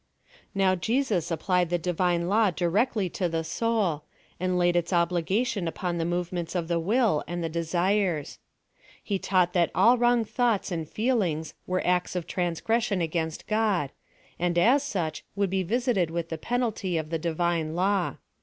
Now, Jesus applied the Divine law directly to the soul, and laid its obligation upon the move ments of the will, and the desires. He taught that all wronof thong hts and feelinofs were acts of trans o:ression asfainst God, and as such would be visited with the penalty of the Divine law.